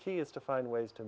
di segi segi hidup kita